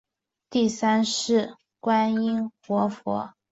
第三世土观活佛。